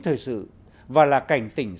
thời sự và là cảnh tỉnh